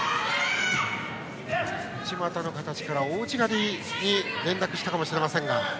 内股の形から大内刈りに連絡したかもしれませんが。